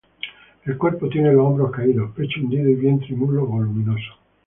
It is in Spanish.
El cuerpo tiene los hombros caídos, pecho hundido y vientre y muslos voluminosos.